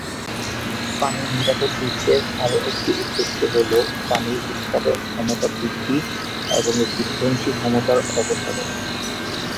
পানি নিরাপদ বিশ্বের আরও একটি উদ্দেশ্য হলো, পানির উৎপাদন ক্ষমতা বৃদ্ধি এবং এর বিধ্বংসী ক্ষমতার অপসারণ।